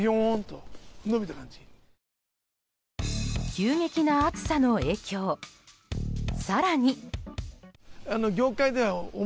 急激な暑さの影響更に。